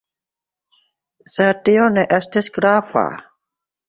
Sed tio ne estis grava.